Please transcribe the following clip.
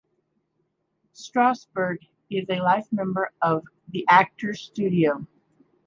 Strasberg is a life member of The Actors Studio.